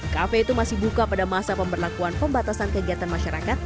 kafe itu masih buka pada masa pemberlakuan pembatasan kegiatan masyarakat